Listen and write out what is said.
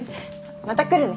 また来るね。